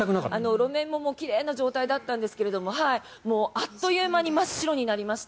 路面も奇麗な状態だったんですけどももう、あっという間に真っ白になりました。